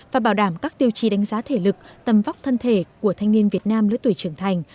và bảo đảm các tiêu chí đánh giá thể lực tầm vóc thân thể của thanh niên việt nam lứa tuổi trưởng thành